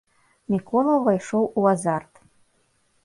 Мікола ўвайшоў у азарт.